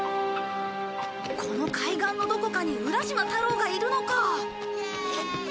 この海岸のどこかに浦島太郎がいるのか。